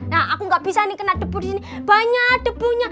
nah aku nggak bisa ini kena debu di sini banyak debunya